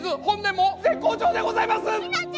本年も絶好調でございます！